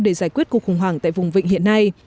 để giải quyết cuộc khủng hoảng tại vùng vịnh hiện nay